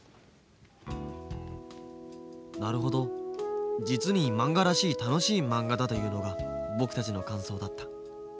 なるほど実にまんがらしい楽しいまんがだというのが僕たちの感想だった。